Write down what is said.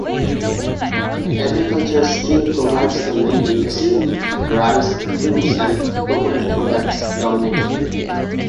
Agriculture still provides the main industry with rice, fruits, and coconut products dominating.